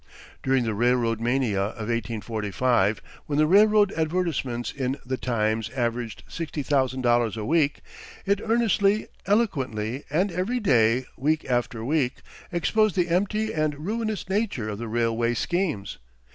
During the railroad mania of 1845, when the railroad advertisements in "The Times" averaged sixty thousand dollars a week, it earnestly, eloquently, and every day, week after week, exposed the empty and ruinous nature of the railway schemes.